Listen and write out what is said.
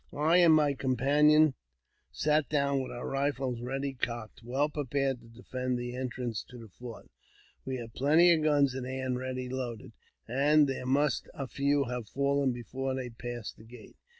I and my companion sat with our rifles ready cocked, well prepared to defend the entrance to the fort. We had plenty of guns at hand ready loaded, and there must a few have fallen before they passed the gate.